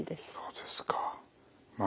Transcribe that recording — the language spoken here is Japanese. そうですか。